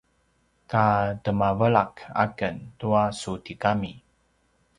ka temavelak aken tua su tigami